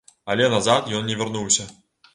Але назад ён не вярнуўся.